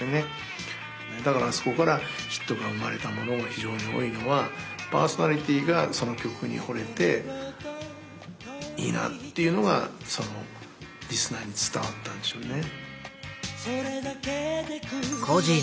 だからそこからヒットが生まれたものが非常に多いのはパーソナリティーがその曲に惚れていいなっていうのがリスナーに伝わったんでしょうね。